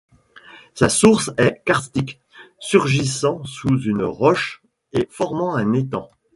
Sa source est karstique, surgissant sous une roche et formant un étang.